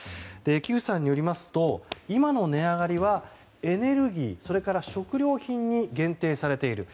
木内さんによりますと今の値上がりはエネルギー、それから食料品に限定されている。